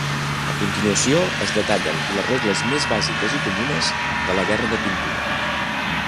A continuació es detallen les regles més bàsiques i comunes de la guerra de pintura.